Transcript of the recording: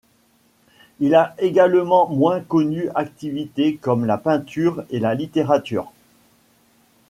Il a également moins connus activités comme la peinture et la littérature.